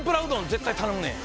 絶対頼むねん